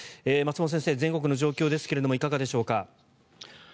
松本先生、全国の状況ですがいかがでしょうか。